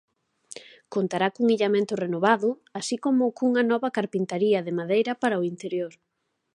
Contará cun illamento renovado así como cunha nova carpintaría de madeira para o interior.